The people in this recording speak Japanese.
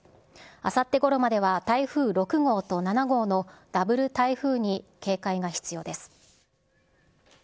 あさってごろまでは台風６号と７号のダブル台風に警戒が必要です。